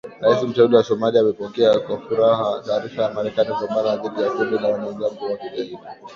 Rais Mteule wa Somalia amepokea kwa furaha taarifa ya Marekani kupambana dhidi ya kundi la wanamgambo wa Kigaidi.